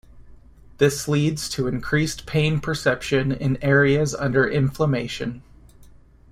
This leads to increased pain perception in areas under inflammation.